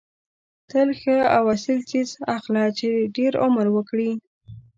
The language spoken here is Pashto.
تل ښه او اصیل څیز اخله چې ډېر عمر وکړي.